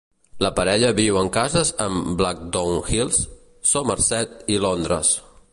La parella viu en cases en Blackdown Hills, Somerset i Londres.